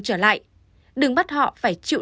trở lại đừng bắt họ phải chịu